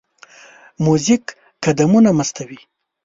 موزیک قدمونه مستوي.